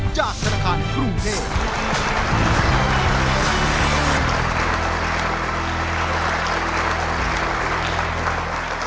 จากธนาคารกรุงเทพ